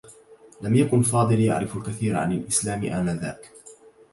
لم يكن فاضل يعرف الكثير عن الإسلام آنذاك.